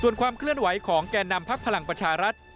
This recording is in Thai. ส่วนความเคลื่อนไหวของแก่นำพักพลังประชารัฐ